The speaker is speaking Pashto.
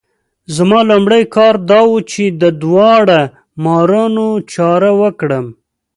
زما لومړی کار دا وو چې د داړه مارانو چاره وکړم.